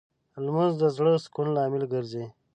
لمونځ د زړه د سکون لامل ګرځي